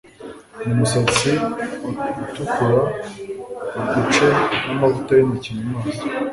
numusatsi utukura, uduce na amavuta yintoki mu maso